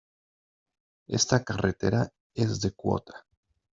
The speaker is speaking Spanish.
Esta carretera es de cuota.